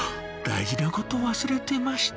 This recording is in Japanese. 大事なこと忘れてました。